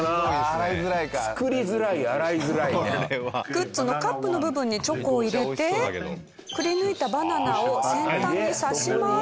グッズのカップの部分にチョコを入れてくりぬいたバナナを先端に挿します。